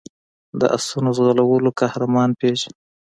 د آسونو ځغلولو قهرمان پېژني.